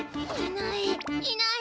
いない！